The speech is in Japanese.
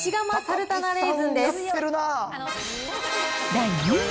第２位。